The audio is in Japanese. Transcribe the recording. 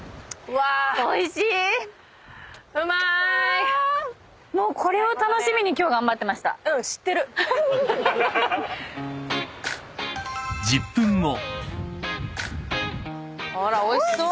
わっおいしそう。